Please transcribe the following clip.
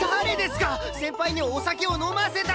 先輩にお酒を飲ませたの！